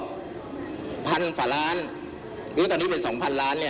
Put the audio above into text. เงินว่าเราต้องการมีการฟื้นตัวเงิน